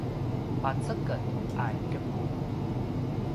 paceged a ljequ